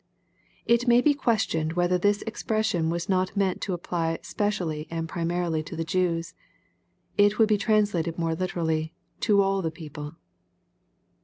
] It may be questioned whether this expression was not meant to apply specially and primarily to the Jews. It would be translated more literally, " to all the people."